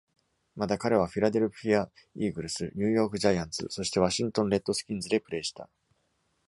また彼は、フィラデルフィア・イーグルス、ニューヨーク・ジャイアンツ、そしてワシントン・レッドスキンズでプレイした。